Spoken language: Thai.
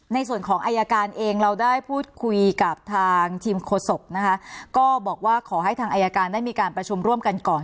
ในส่วนของอายการเองเราได้พูดคุยกับทางทีมโฆษกนะคะก็บอกว่าขอให้ทางอายการได้มีการประชุมร่วมกันก่อน